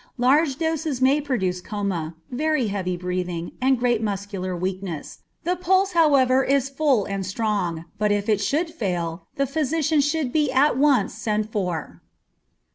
Large doses may produce coma, very heavy breathing, and great muscular weakness; the pulse however is full and strong, but if it should fail, the physician should be at once sent for.